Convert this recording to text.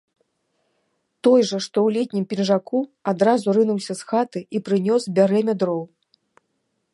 Той жа, што ў летнім пінжаку, адразу рынуўся з хаты і прынёс бярэмя дроў.